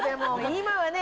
今はね